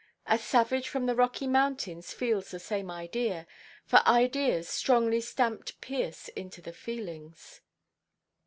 A savage from the Rocky Mountains feels the same idea—for ideas strongly stamped pierce into the feelings.